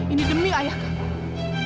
ini demi ayah kamu